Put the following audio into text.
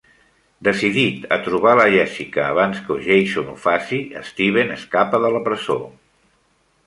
Decidit a trobar la Jessica abans que Jason ho faci, Steven escapa de la presó.